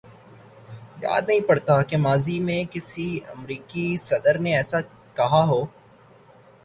یاد نہیں پڑتا کہ ماضی میں کسی امریکی صدر نے ایسا کہا ہو۔